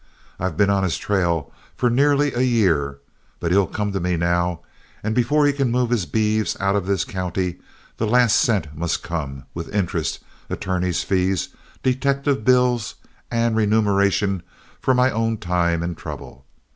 I've been on his trail for nearly a year, but he'll come to me now, and before he can move his beeves out of this county, the last cent must come, with interest, attorney's fees, detective bills, and remuneration for my own time and trouble.